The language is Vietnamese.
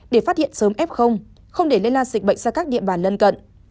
để phát hiện sớm f không để lây lan dịch bệnh ra các địa bàn lân cận